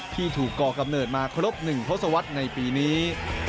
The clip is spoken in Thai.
ที่ถูกก่อกำเนิดมาครบ๑ทศวรรษในปีนี้